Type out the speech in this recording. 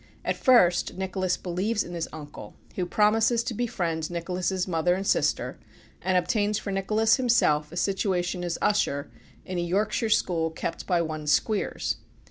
At first Nicholas believes in his uncle, who promises to befriend Nicholas's mother and sister, and obtains for Nicholas himself a situation as usher in a Yorkshire school kept by one Squeers.